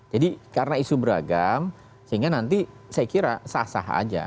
jadi karena isu beragam sehingga nanti saya kira sah sah aja